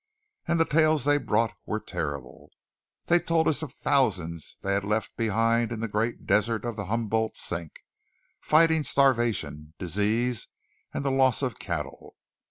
And the tales they brought were terrible. They told us of thousands they had left behind in the great desert of the Humboldt Sink, fighting starvation, disease, and the loss of cattle.